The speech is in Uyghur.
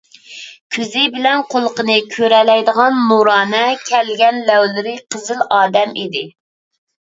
كۆزى بىلەن قۇلىقىنى كۆرەلەيدىغان، نۇرانە كەلگەن، لەۋلىرى قىزىل ئادەم ئىدى.